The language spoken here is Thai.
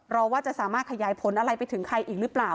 รอว่าจะสามารถขยายผลอะไรไปถึงใครอีกหรือเปล่า